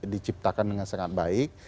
diciptakan dengan sangat baik